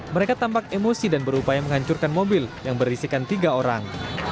mereka tampak emosi dan berupaya menghancurkan mobil yang berisikan tiga orang